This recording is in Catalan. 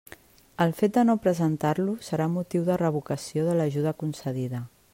El fet de no presentar-lo serà motiu de revocació de l'ajuda concedida.